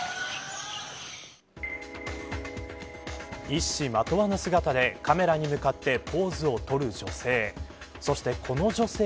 一糸まとわぬ姿でカメラに向かってポーズをとる女性。